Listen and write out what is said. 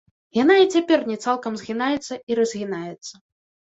Яна і цяпер не цалкам згінаецца і разгінаецца.